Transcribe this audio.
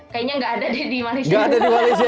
kayaknya nggak ada deh di malaysia